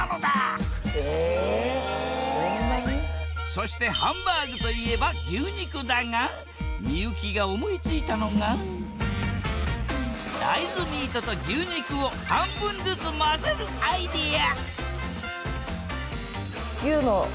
そしてハンバーグと言えば牛肉だが幸が思いついたのが大豆ミートと牛肉を半分ずつ混ぜるアイデア！